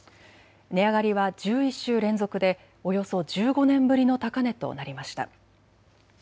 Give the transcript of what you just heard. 値上がりは１１週連続でおよそ１５年ぶりの高値となりました。